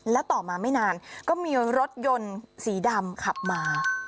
แล้วต่อมาไม่นานก็มีรถยนต์สีดำขับมา